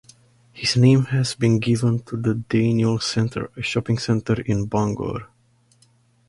His name has been given to the Deiniol Centre, a shopping centre in Bangor.